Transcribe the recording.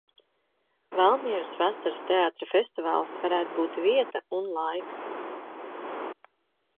Valmieras vasaras teātra festivāls varētu būt vieta un laiks.